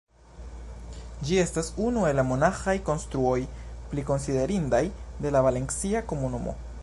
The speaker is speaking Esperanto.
Ĝi estas unu el la monaĥaj konstruoj pli konsiderindaj de la Valencia Komunumo.